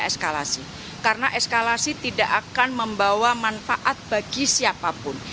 eskalasi karena eskalasi tidak akan membawa manfaat bagi siapapun